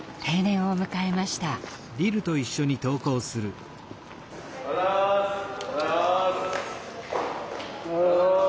おはようございます。